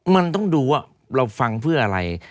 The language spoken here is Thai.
มันต้องดูว่าเราฟังเพื่ออะไร